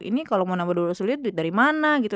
ini kalau mau nambah dua sulit dari mana gitu